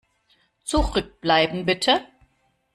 Zurückbleiben, bitte!